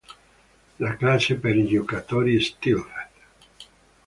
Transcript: La classe per i giocatori stealth.